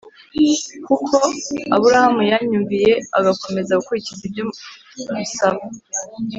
kuko Aburahamu yanyumviye agakomeza gukurikiza ibyo musaba